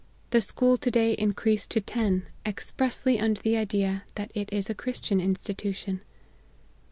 " The school to day increased to ten, expressly under the idea that it is a Christian institution.